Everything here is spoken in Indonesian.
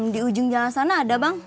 di ujung jalan sana ada bang